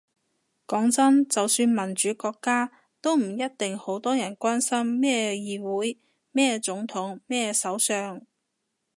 講真，就算民主國家，都唔一定好多人關心咩議會咩總統咩首相